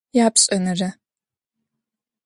Япшӏэнэрэ.